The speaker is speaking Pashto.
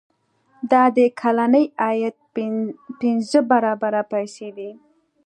دا د کلني عاید پنځه برابره پیسې دي.